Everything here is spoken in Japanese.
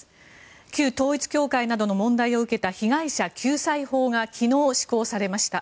旧統一教会などの問題を受けた被害者救済法が昨日、施行されました。